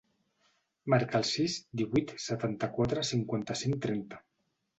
Marca el sis, divuit, setanta-quatre, cinquanta-cinc, trenta.